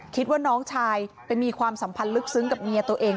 คิดว่าน้องชายไปมีความสัมพันธ์ลึกซึ้งกับเมียตัวเอง